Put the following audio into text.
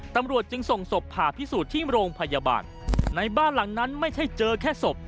ตำรวจจึงส่งศพผ่าพิสูจน์ที่โรงพยาบาลในบ้านหลังนั้นไม่ใช่เจอแค่ศพ